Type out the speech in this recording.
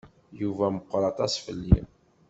Yuba meqqeṛ aṭas fell-i.